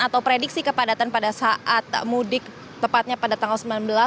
atau prediksi kepadatan pada saat mudik tepatnya pada tanggal sembilan belas